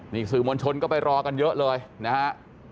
นี่สื่อมวลชนก็ไปรอกันเยอะเลยนะฮะ